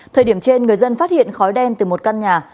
thời điểm trên người dân phát hiện khói đen từ một căn nhà